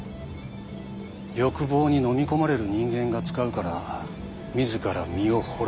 欲望にのみ込まれる人間が使うから自ら身を滅ぼして。